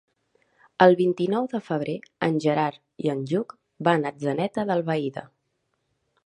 El vint-i-nou de febrer en Gerard i en Lluc van a Atzeneta d'Albaida.